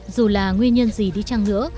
dù là nguyên nhân gì đi chăng nữa